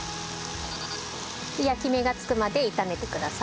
焼き目がつくまで炒めてください。